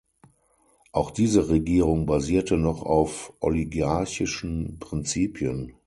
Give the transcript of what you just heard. Auch diese Regierung basierte noch auf oligarchischen Prinzipien.